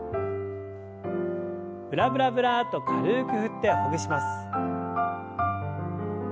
ブラブラブラッと軽く振ってほぐします。